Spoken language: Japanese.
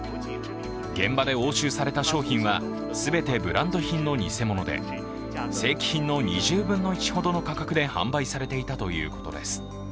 現場で押収された商品は全てブランド品の偽物で、正規品の２０分の１ほどの価格で販売されていたということです。